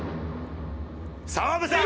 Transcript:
澤部さん！